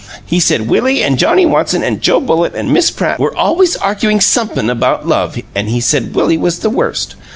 He said Willie an' Johnnie Watson an' Joe Bullitt an' Miss Pratt were always arguin' somep'm about love, an' he said Willie was the worst.